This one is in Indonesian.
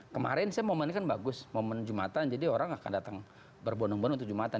kemarin saya momennya kan bagus momen jumatan jadi orang akan datang berbonong bondong untuk jumatan